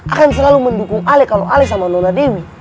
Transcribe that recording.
akan selalu mendukung ali kalau ali sama nona dewi